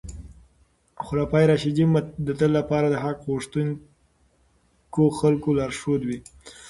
خلفای راشدین به د تل لپاره د حق غوښتونکو خلکو لارښود وي.